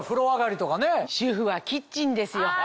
主婦はキッチンですよ